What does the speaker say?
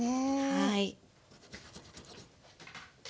はい。